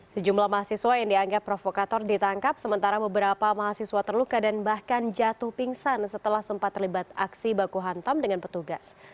sejumlah mahasiswa yang dianggap provokator ditangkap sementara beberapa mahasiswa terluka dan bahkan jatuh pingsan setelah sempat terlibat aksi baku hantam dengan petugas